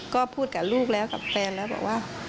ก็พูดกับลูกแล้วกับแฟนแล้วบอกว่า